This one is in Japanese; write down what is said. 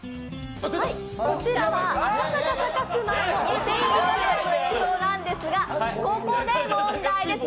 こちらは赤坂サカス内のお天気カメラの映像ですが、ここで問題です